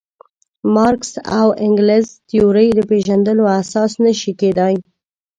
مارکس او انګلز تیورۍ د پېژندلو اساس نه شي کېدای.